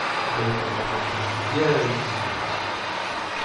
"Był to dla „węglarzy” wielki dzień."